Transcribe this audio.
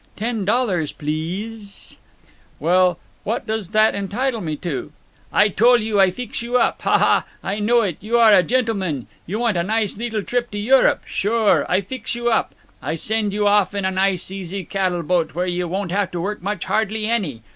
Ten dollars pleas s s s." "Well, what does that entitle me to?" "I tole you I feex you up. Ha! Ha! I know it; you are a gentleman; you want a nice leetle trip on Europe. Sure. I feex you right up. I send you off on a nice easy cattleboat where you won't have to work much hardly any.